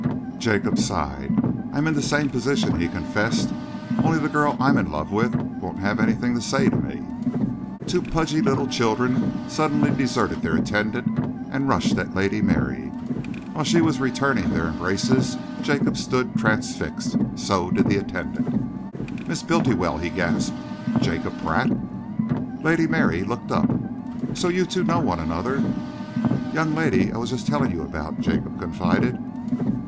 Jacob sighed. "I am in the same position," he confessed, "only the girl I'm in love with won't have anything to say to me." Two pudgy little children suddenly deserted their attendant and rushed at Lady Mary. While she was returning their embraces, Jacob stood transfixed. So did the attendant. "Miss Bultiwell!" he gasped. "Jacob Pratt!" Lady Mary looked up. "So you two know one another?" "Young lady I was just telling you about," Jacob confided.